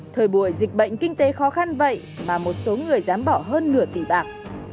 thời buổi dịch bệnh kinh tế khó khăn vậy mà một số người dám bỏ hơn nửa tỷ bạc